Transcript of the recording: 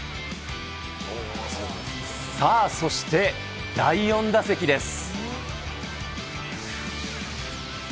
さあ、そして第４打席です。